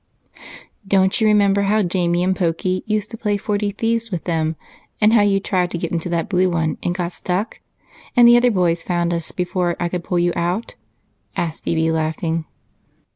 "Don't you remember how Jamie and Pokey used to play Forty Thieves with them, and how you tried to get into that blue one and got stuck, and the other boys found us before I could pull you out?" asked Phebe, laughing.